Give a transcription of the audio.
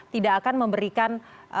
tidak akan memberikan